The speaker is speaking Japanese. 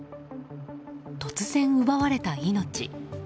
突然奪われた命。